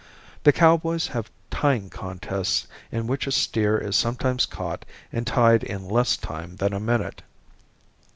The cowboys have tying contests in which a steer is sometimes caught and tied in less time than a minute.